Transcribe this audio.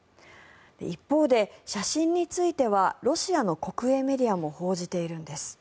一方で写真についてはロシアの国営メディアも報じているんです。